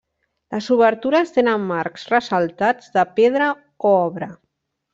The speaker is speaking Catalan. Les obertures tenen marcs ressaltats de pedra o obra.